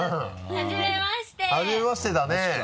はじめましてだね。